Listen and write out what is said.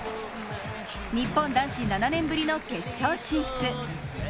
日本男子７年ぶりの決勝進出。